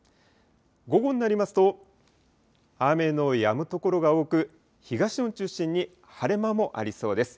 午後になりますと、雨のやむ所が多く、東日本中心に、晴れ間もありそうです。